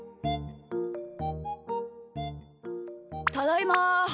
ただいま。